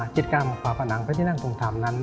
กิจกรรมฝาผนังพระที่นั่งทรงธรรมนั้น